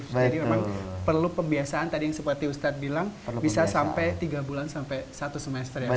jadi memang perlu pembiasaan tadi seperti ustadz bilang bisa sampai tiga bulan sampai satu semester ya ustadz